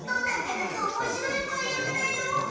なかなかおもしろいもようだよ！